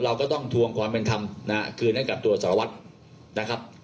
เราก็ต้องทวงความเป็นธรรมคืนให้กับตัวสารวัตรนะครับ